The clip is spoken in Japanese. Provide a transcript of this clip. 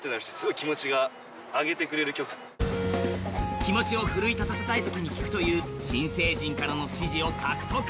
気持ちを奮い立たせたいときに聴くという新成人からの支持を獲得。